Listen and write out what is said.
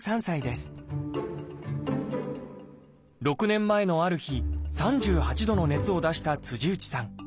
６年前のある日３８度の熱を出した内さん。